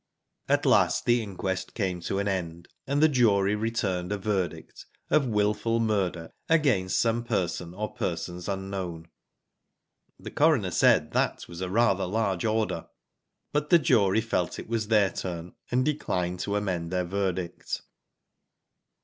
At last the inquest came to an end, and the jury returned a verdict of wilful murder against some person or persons unknown.'' The coroner said that was rather a large order, but the jury felt it was their turn, and declined to amend their verdict.